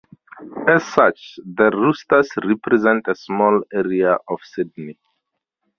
As such, the Roosters represent a small area of Sydney.